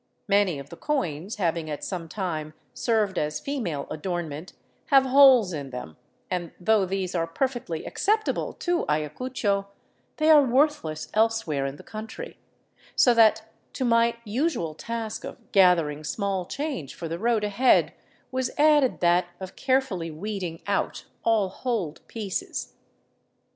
Many of the coins, having at some time served as female adornment, have holes in them, and though these are perfectly acceptable to Ayacucho, they are worthless elsewhere in the country, so that to my usual task of gathering small change for the road ahead was added that of carefully weeding out all holed pieces.